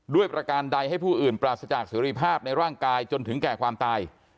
ประการใดให้ผู้อื่นปราศจากเสรีภาพในร่างกายจนถึงแก่ความตาย